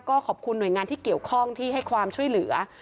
ก็ขอบคุณหน่วยงานที่เกี่ยวข้องที่ให้ความช่วยเหลือ